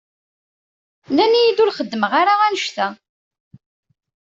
Nnan-iyi-d ur xeddmeɣ ara annect-a.